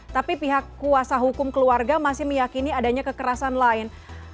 tapi pihak kuasa hukum keluarga masih meyakini adanya kekerasan lain